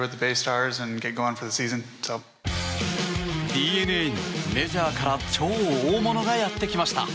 ＤｅＮＡにメジャーから超大物がやってきました。